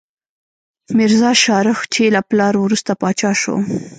میرزا شاهرخ، چې له پلار وروسته پاچا شو.